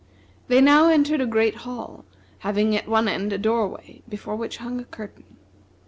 They now entered a great hall, having at one end a doorway before which hung a curtain.